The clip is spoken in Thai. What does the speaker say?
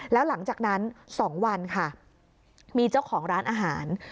แล้วหลังจากนั้น๒วันค่ะมีเจ้าของร้านอาหาร